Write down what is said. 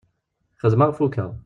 Xedmeɣ fukeɣ.